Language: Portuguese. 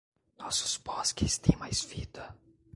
Nossos bosques têm mais vida